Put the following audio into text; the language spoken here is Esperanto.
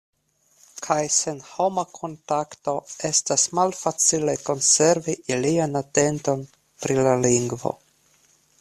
Kaj sen homa kontakto, estas malfacile konservi ilian atenton pri la lingvo.